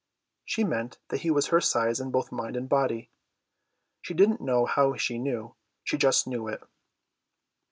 She meant that he was her size in both mind and body; she didn't know how she knew, she just knew it.